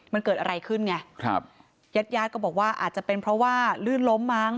มันเกิดอะไรขึ้นไงครับญาติญาติก็บอกว่าอาจจะเป็นเพราะว่าลื่นล้มมั้ง